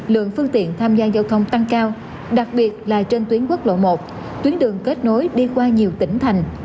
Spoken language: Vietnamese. lượng phương tiện tham gia giao thông tăng cao đặc biệt là trên tuyến quốc lộ một tuyến đường kết nối đi qua nhiều tỉnh thành